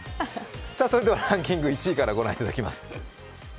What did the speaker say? それではランキング１位からご覧いただきます。